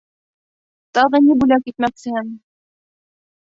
Тағы ни бүләк итмәксеһең?